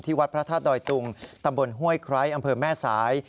วัดพระธาตุดอยตุงตำบลห้วยไคร้อำเภอแม่สาย